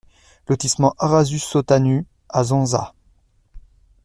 Lotissement Arasu Sottanu à Zonza